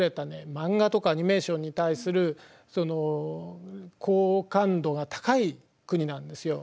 漫画とかアニメーションに対するその好感度が高い国なんですよ。